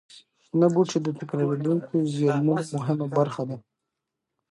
شنه بوټي د تکرارېدونکو زېرمونو مهمه برخه ده.